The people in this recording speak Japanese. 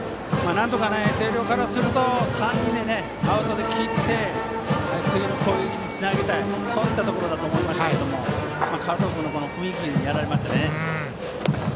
なんとか星稜からすると３人で切って次の攻撃につなげたいところだと思いますけど加藤君の雰囲気にやられましたね。